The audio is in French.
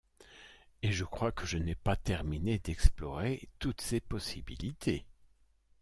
Et je crois que je n'ai pas terminé d'explorer toutes ses possibilités.